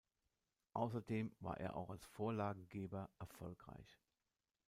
Außerdem war er auch als Vorlagengeber erfolgreich.